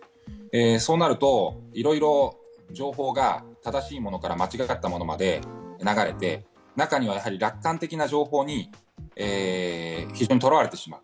そうなると、いろいろ情報が正しいものから間違ったものまで流れて、中には楽観的な情報に非常にとらわれてしまう。